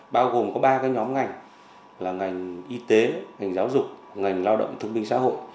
bao gồm có ba cái nhóm ngành là ngành y tế ngành giáo dục ngành lao động thương minh xã hội